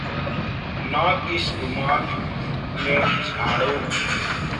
नाक इस रुमाल में झाड़ो।